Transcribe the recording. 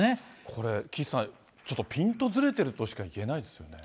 これ、岸さん、ちょっとピントずれてるとしかいえないですよね。